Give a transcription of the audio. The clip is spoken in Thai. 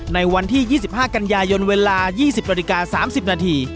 ในวันที่๒๕กันยายนเวลา๒๐นาฬิกา๓๐นาที